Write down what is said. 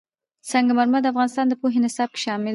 سنگ مرمر د افغانستان د پوهنې نصاب کې شامل دي.